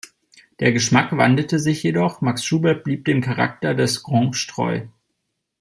Der Geschmack wandelte sich jedoch, Max Schubert blieb dem Charakter des "Grange" treu.